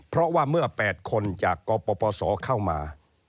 เพราะว่าเมื่อ๘คนจากกปศเข้ามา